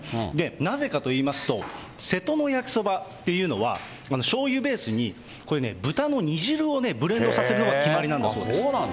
なぜかといいますと、瀬戸の焼きそばっていうのは、しょうゆベースにこれね、豚の煮汁をブレンドさせるのが決まりなんだそうです。